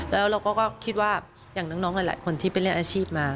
แล้วเราก็คิดว่าอย่างน้องหลายคนที่ไปเล่นอาชีพมา